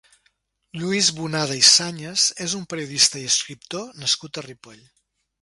Lluís Bonada i Sañas és un periodista i escriptor nascut a Ripoll.